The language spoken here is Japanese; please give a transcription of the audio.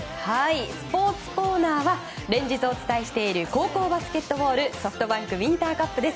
スポーツコーナーは連日お伝えしている高校バスケットボールＳｏｆｔＢａｎｋウインターカップです。